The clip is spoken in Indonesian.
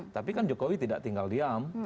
tapi kan jokowi tidak tinggal diam